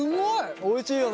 おいしいよね！